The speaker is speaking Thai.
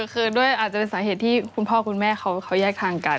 คือด้วยอาจจะเป็นสาเหตุที่คุณพ่อคุณแม่เขาแยกทางกัน